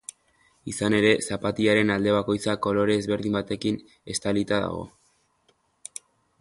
Izan ere, zapatilaren alde bakoitza kolore ezberdin batekin estalita dago.